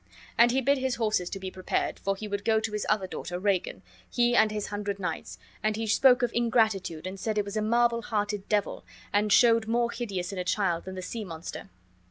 And he bid his horses to be prepared, for he would go to his other daughter, Regan, he and his hundred knights; and he spoke of ingratitude, and said it was a marble hearted devil, and showed more hideous in a child than the sea monster.